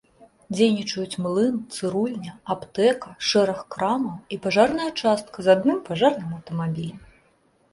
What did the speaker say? Дзейнічаюць млын, цырульня, аптэка, шэраг крамаў і пажарная частка з адным пажарным аўтамабілем.